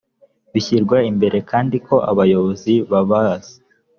bishyirwa imbere kandi ko abayobozi babazi